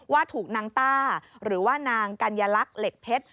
ว่าถูกนางต้าหรือว่านางกัญลักษณ์เหล็กเพชร